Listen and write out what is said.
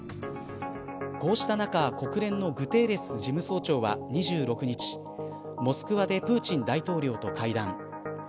こうした中国連のグテーレス事務総長は２６日、モスクワでプーチン大統領と会談。